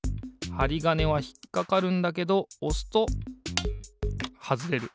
はりがねはひっかかるんだけどおすとはずれる。